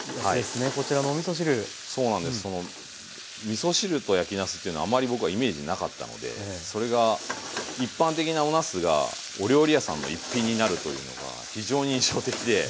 みそ汁と焼きなすというのはあまり僕はイメージなかったのでそれが一般的なおなすがお料理屋さんの一品になるというのが非常に印象的で。